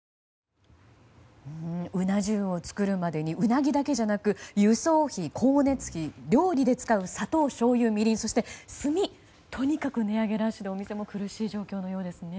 うな重を作るまでにウナギだけじゃなく輸送費、光熱費、料理で使う砂糖、しょうゆ、みりんそして、炭とにかく値上げラッシュでお店も苦しい状況のようですね。